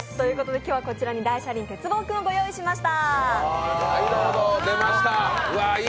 今日はこちらに大車輪てつぼうくんご用意しました。